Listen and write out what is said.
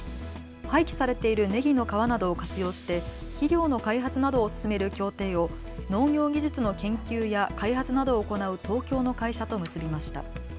廃棄されているねぎの皮などを活用して肥料の開発などを進める協定を農業技術の研究や開発などを行う東京の会社と結びました。